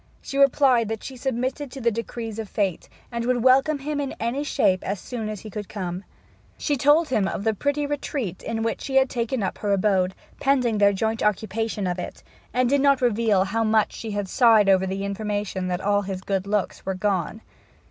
She replied that she submitted to the decrees of Fate, and would welcome him in any shape as soon as he could come. She told him of the pretty retreat in which she had taken up her abode, pending their joint occupation of it, and did not reveal how much she had sighed over the information that all his good looks were gone.